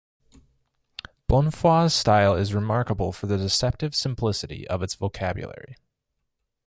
Bonnefoy's style is remarkable for the deceptive simplicity of its vocabulary.